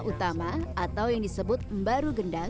ternyata karena panduan pendidikan masing masing